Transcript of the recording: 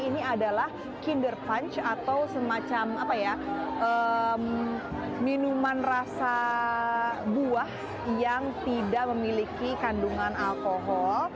ini adalah kinder punch atau semacam minuman rasa buah yang tidak memiliki kandungan alkohol